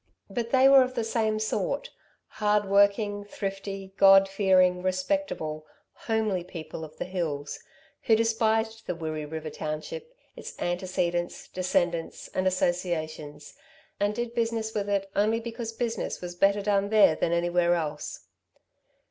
But they were of the same sort hardworking, thrifty, God fearing, respectable, homely people of the hills, who despised the Wirree River township, its antecedents, descendants, and associations, and did business with it only because business was better done there than anywhere else.